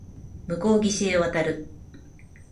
向こう岸へ渡る